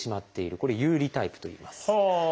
これ「遊離」タイプといいます。